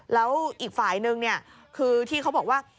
แล้วอีกฝ่ายนึงเนี่ยคือที่เขาบอกว่า